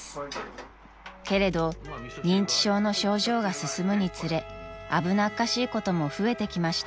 ［けれど認知症の症状が進むにつれ危なっかしいことも増えてきました］